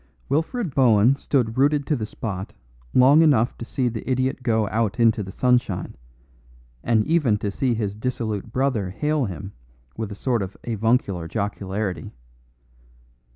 Wilfred Bohun stood rooted to the spot long enough to see the idiot go out into the sunshine, and even to see his dissolute brother hail him with a sort of avuncular jocularity.